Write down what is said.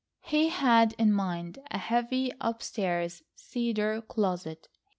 He had in mind a heavy upstairs cedar closet.